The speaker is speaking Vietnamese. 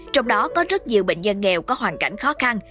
trong đó có rất nhiều bệnh nhân nghèo có hoàn cảnh khó khăn